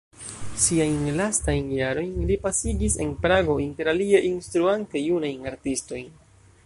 Siajn lastajn jarojn li pasigis en Prago, interalie instruante junajn artistojn.